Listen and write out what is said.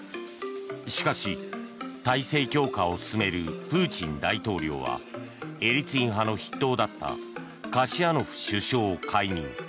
しかし、体制強化を進めるプーチン大統領はエリツィン派の筆頭だったカシヤノフ首相を解任。